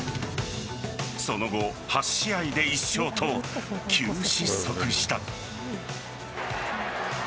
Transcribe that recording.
その後、８試合で１勝と急失速した。